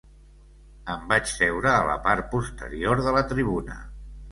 Em vaig seure a la part posterior de la tribuna.